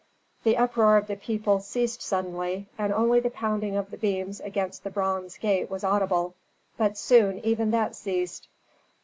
The uproar of the people ceased suddenly, and only the pounding of the beams against the bronze gate was audible. But soon even that ceased.